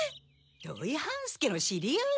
土井半助の知り合い？